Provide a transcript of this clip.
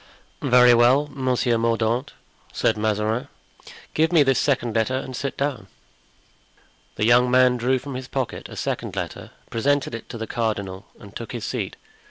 "Very well, Monsieur Mordaunt," said Mazarin, "give me this second letter and sit down." The young man drew from his pocket a second letter, presented it to the cardinal, and took his seat.